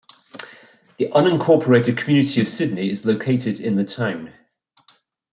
The unincorporated community of Sidney is located in the town.